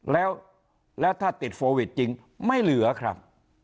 แล้วถ้าติดโควิดจริงไม่เหลือครับ